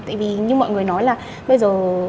tại vì như mọi người nói là bây giờ